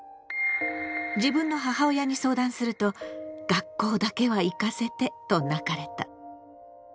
自分の母親に相談すると「学校だけは行かせて」と泣かれた。